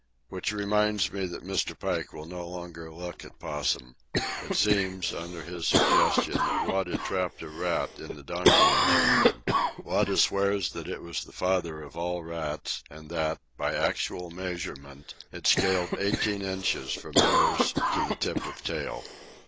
Which reminds me that Mr. Pike will no longer look at Possum. It seems, under his suggestion, that Wada trapped a rat in the donkey engine room. Wada swears that it was the father of all rats, and that, by actual measurement, it scaled eighteen inches from nose to the tip of tail.